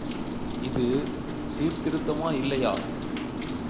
இது சீர்திருத்தமா இல்லையா?